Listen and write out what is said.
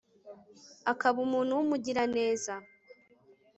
akaba umuntu w'umugiraneza